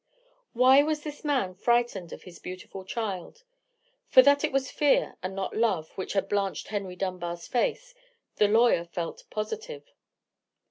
Why was this man frightened of his beautiful child?—for that it was fear, and not love, which had blanched Henry Dunbar's face, the lawyer felt positive.